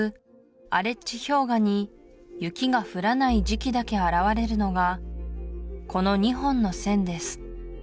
アレッチ氷河に雪が降らない時期だけ現れるのがこの２本の線です